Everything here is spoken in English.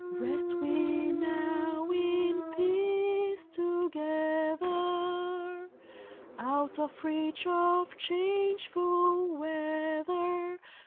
Rest we now in peace together Out of reach of changeful weather